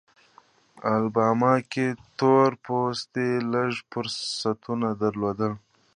الاباما کې تور پوستي لږ فرصتونه درلودل.